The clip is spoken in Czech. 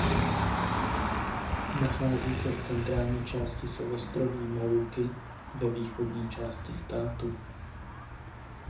Nachází se v centrální části souostroví Moluky ve východní části státu.